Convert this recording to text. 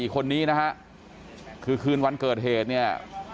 คนนี้นะฮะคือคืนวันเกิดเหตุเนี่ย